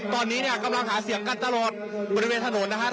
ตอนนี้เนี่ยกำลังหาเสียงกันตลอดบริเวณถนนนะครับ